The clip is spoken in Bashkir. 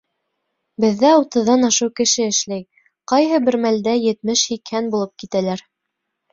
— Беҙҙә утыҙҙан ашыу кеше эшләй, ҡайһы бер мәлдә етмеш-һикһән булып китәләр.